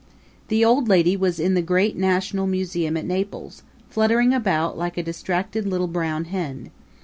The old lady was in the great National Museum at Naples, fluttering about like a distracted little brown hen.